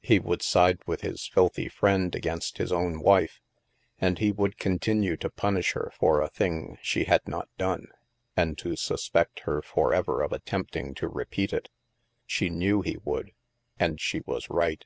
He would side with his filthy friend against his own wife, and he would continue to punish her for a thing she had not done, and to suspect her forever of attempting to repeat it. She knew he would! And she was right.